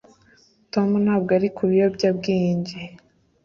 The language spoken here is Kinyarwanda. tom ntabwo ari ku biyobyabwenge